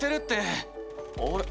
あれ？